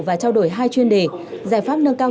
và trao đổi hai chuyên đề giải pháp nâng cao